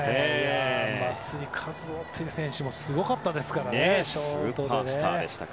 松井稼頭央選手もすごかったですからね。